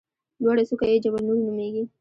لوړه څوکه یې جبل نور نومېږي.